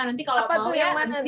nanti kalau mau ya